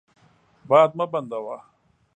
باد مه بندوه.